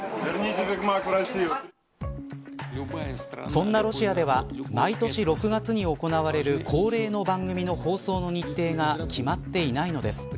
そんなロシアでは毎年６月に行われる恒例の番組の放送の日程が決まっていないのです。